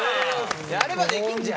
やればできんじゃん！